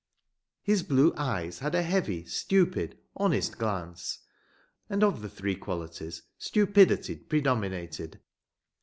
His blue eyes had a heavy, stupid, honest glance; and of the three qualities stupidity predominated.